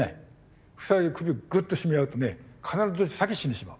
２人で首をぐっと絞め合うとね必ずどっちか先に死んでしまう。